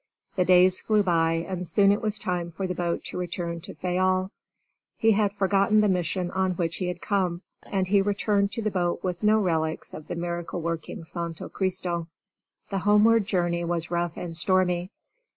The days flew by, and soon it was time for the boat to return to Fayal. He had forgotten the mission on which he had come, and he returned to the boat with no relics of the miracle working Santo Christo. The homeward journey was rough and stormy.